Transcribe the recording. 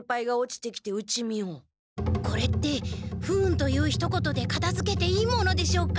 これって不運というひと言でかたづけていいものでしょうか？